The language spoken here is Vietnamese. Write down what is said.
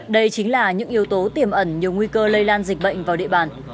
đây chính là những yếu tố tiềm ẩn nhiều nguy cơ lây lan dịch bệnh vào địa bàn